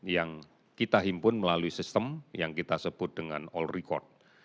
yang kita himpun melalui sistem yang kita sebut dengan all record